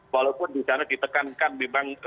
walaupun di sana ditekankan memang